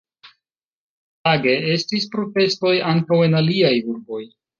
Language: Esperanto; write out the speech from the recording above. Samtage estis protestoj ankaŭ en aliaj urboj.